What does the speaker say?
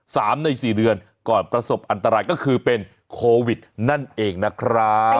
สามในสี่เดือนก่อนประสบอันตรายก็คือเป็นโควิดนั่นเองนะครับ